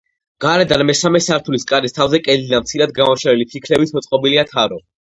გარედან მესამე სართულის კარის თავზე კედლიდან მცირედ გამოშვერილი ფიქლებით მოწყობილია თარო.